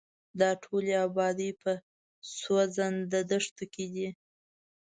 دا ټولې ابادۍ په سوځنده دښتو کې دي.